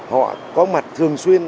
họ có mặt thường xuyên